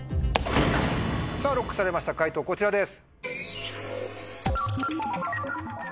さぁＬＯＣＫされました解答こちらです。